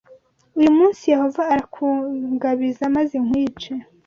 Uyu munsi Yehova arakungabiza maze nkwice